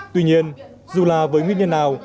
tuy nhiên dù là với nguyên nhân nào